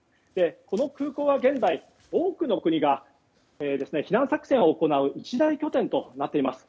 この空港は現在、多くの国が避難作戦を行う一大拠点となっています。